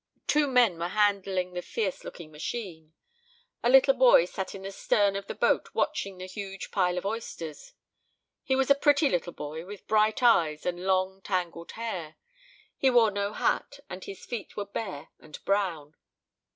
Two men were handling the fierce looking machine. A little boy sat in the stern of the boat watching the huge pile of oysters. He was a pretty little boy, with bright eyes and long tangled hair. He wore no hat, and his feet were bare and brown.